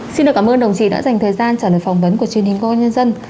xin được cảm ơn đồng chí đã dành thời gian trả lời phỏng vấn của truyền hình công an nhân dân